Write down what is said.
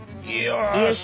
よし。